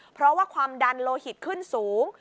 เพราะว่าความดันโลหิตขึ้นสูง